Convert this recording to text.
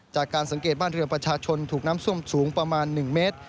จากการสังเกตบ้านเรือประชาชนถูกน้ำท่วมสูงประมาณ๑เมตร